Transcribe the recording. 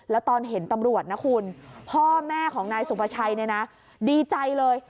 แล้วตอนเห็นตำรวจนะคุณพ่อแม่ของนายสุภาชัยเนี่ยนะดีใจเลย